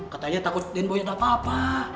katanya takut den boy nyata papa